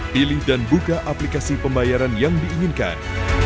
pilih dan buka aplikasi pembayaran yang diinginkan